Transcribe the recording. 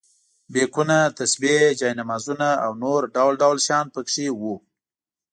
بیکونه، تسبیح، جاینمازونه او نور ډول ډول شیان په کې وو.